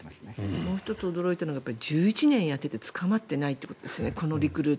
もう１つ驚いたのが１１年やっていて捕まっていないということですよね。